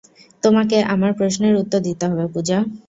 তোমাকে আমার প্রশ্নের উত্তর দিতে হবে পূজা।